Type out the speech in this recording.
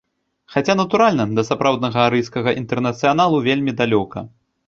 Хаця, натуральна, да сапраўднага арыйскага інтэрнацыяналу вельмі далёка.